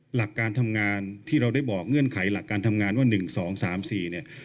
หลักการทำงานที่เราได้บอกเงื่อนไขหลักการทำงานว่า๑๒๓๔เนี่ย